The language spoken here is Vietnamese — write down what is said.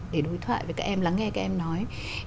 để đối thoại với các em lắng nghe các em nói